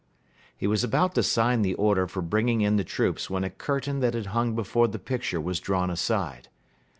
He was about to sign the order for bringing in the troops when a curtain that had hung before the picture was drawn aside.